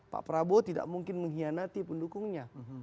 pak prabowo tidak mungkin mengkhianati pendukungnya